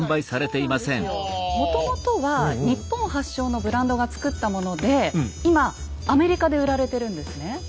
もともとは日本発祥のブランドが作ったもので今アメリカで売られてるんですね。